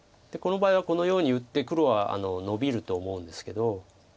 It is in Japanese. この場合はこのように打って黒はノビると思うんですけど。